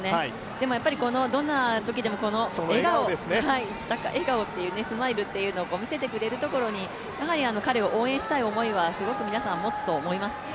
でも、どんなときでもこの笑顔、いちたかスマイルを見せてくるところに、彼を応援したい思いは皆さん持つと思います。